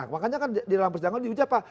makanya kan di dalam persidangan di uji apa